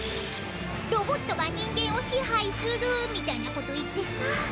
「ロボットが人間を支配する」みたいなこと言ってさ。